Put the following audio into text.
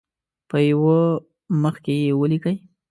په یو مخ کې یې ولیکئ.